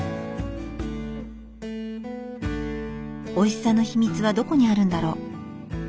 おいしさの秘密はどこにあるんだろう。